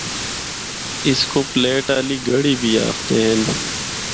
اس کو پلیٹ آلی گڑھی بھی آخدے ہن۔